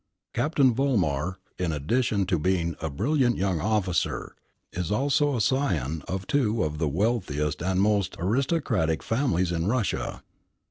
Captain Vollmar, in addition to being a brilliant young officer, is also a scion of two of the wealthiest and most aristocratic families in Russia.